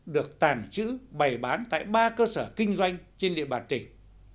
được tàn chữ bày bán tại ba cơ sở kinh doanh trên địa bàn tỉnh